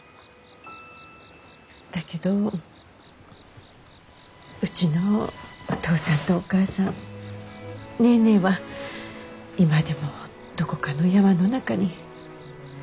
だけどうちのお父さんとお母さんネーネーは今でもどこかの山の中に。